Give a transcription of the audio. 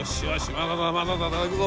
まだまだまだまだいくぞ！